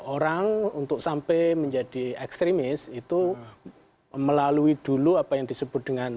orang untuk sampai menjadi ekstremis itu melalui dulu apa yang disebut dengan